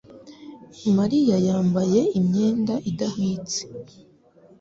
Mariya yambaye imyenda idahwitse.